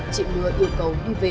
trị mưa yêu cầu đi về